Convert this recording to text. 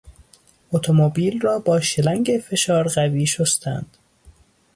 اتومبیل را با شلنگ فشار قوی شستند.